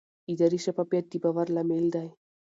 اداري شفافیت د باور لامل دی